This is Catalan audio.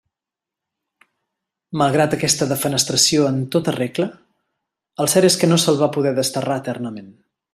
Malgrat aquesta defenestració en tota regla, el cert és que no se'l va poder desterrar eternament.